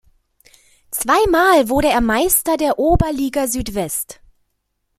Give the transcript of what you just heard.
Zweimal wurde er Meister der Oberliga Südwest.